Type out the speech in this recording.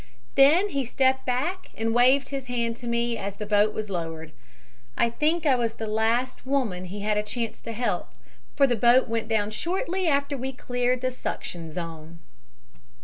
Then he stepped back and waved his hand to me as the boat was lowered. I think I was the last woman he had a chance to help, for the boat went down shortly after we cleared the suction zone."